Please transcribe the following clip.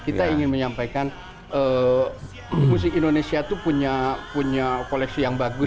kita ingin menyampaikan musik indonesia itu punya koleksi yang bagus